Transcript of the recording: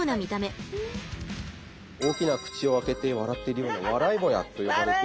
大きな口を開けて笑ってるようなワライボヤと呼ばれている。